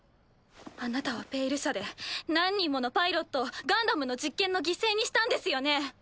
あなたは「ペイル社」で何人ものパイロットをガンダムの実験の犠牲にしたんですよね？